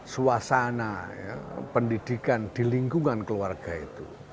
suasana pendidikan di lingkungan keluarga itu